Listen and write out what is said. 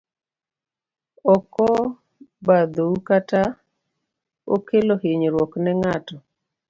Okobadhou kata okelo hinyruok ne ngato.